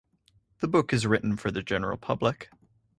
The book is written for the general public.